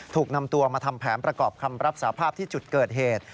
ถูกนำตัวมาทำแผนประกอบคำรับสาภาพที่จุดเกิดเหตุ